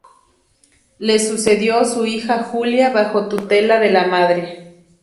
Le sucedió su hija Julia, bajo tutela de la madre.